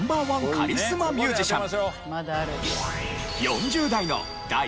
カリスマミュージシャン。